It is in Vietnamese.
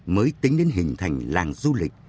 mới tính đến hình thành làng du lịch